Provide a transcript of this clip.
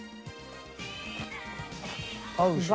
合うでしょ？